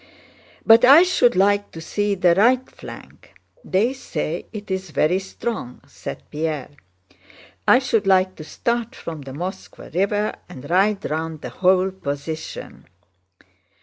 "But I should like to see the right flank. They say it's very strong," said Pierre. "I should like to start from the Moskvá River and ride round the whole position."